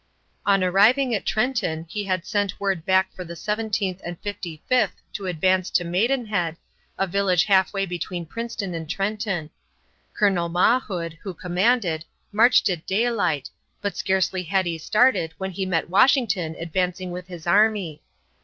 On arriving at Trenton he had sent word back for the Seventeenth and Fifty fifth to advance to Maidenhead, a village halfway between Princeton and Trenton. Colonel Mawhood, who commanded, marched at daylight, but scarcely had he started when he met Washington advancing with his army.